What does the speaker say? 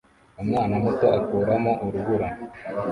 Umwana muto akuramo urubura